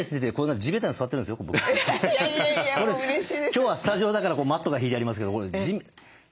今日はスタジオだからマットが敷いてありますけどこれ土ですからね。